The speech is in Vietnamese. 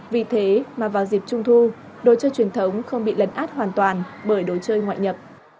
vì thế mà vào dịp trung thu đồ chơi truyền thống không bị lấn át hoàn toàn bởi đồ chơi ngoại nhập